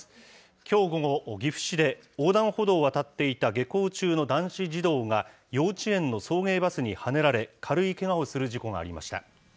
きょう午後、岐阜市で横断歩道を渡っていた下校中の男子児童が、幼稚園の送迎バスにはねられ、軽いけがをする事故がありました。